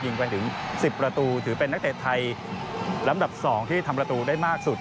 ไปถึง๑๐ประตูถือเป็นนักเตะไทยลำดับ๒ที่ทำประตูได้มากสุด